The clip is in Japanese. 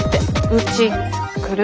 うち来る？